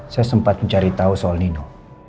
saya sempat mencari tahu soal nino